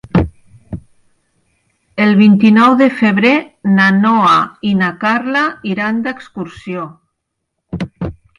El vint-i-nou de febrer na Noa i na Carla iran d'excursió.